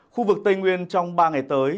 khu vực tây nguyên trong ba ngày tới